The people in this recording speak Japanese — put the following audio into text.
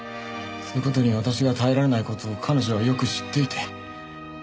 そういう事に私が耐えられない事を彼女はよく知っていて。